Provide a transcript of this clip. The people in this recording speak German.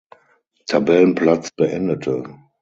Tabellenplatz beendete.